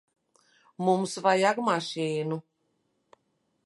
Mums vajag mašīnu.